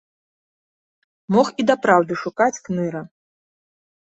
Мог і дапраўды шукаць кныра.